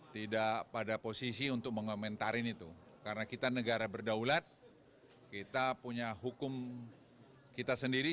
tapi sistem hukum kita sendiri